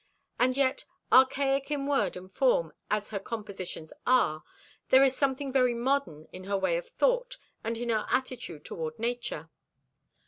And yet, archaic in word and form as her compositions are, there is something very modern in her way of thought and in her attitude toward nature.